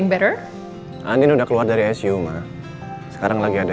by the way kamu jangan lupa sarapan ya